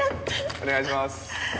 お願いします。